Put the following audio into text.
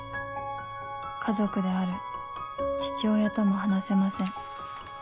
「家族である父親とも話せません」